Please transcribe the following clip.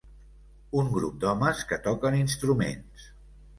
Un grup d'homes que toquen instruments.